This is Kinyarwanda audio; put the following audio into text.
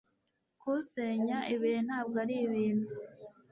Kusenya ibihe ntabwo ari ibintu.